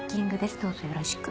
どうぞよろしく。